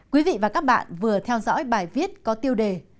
quý vị và các bạn vừa theo dõi bài viết có tiêu đề